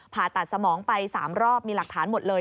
ผ่าตัดสมองไป๓รอบมีหลักฐานหมดเลย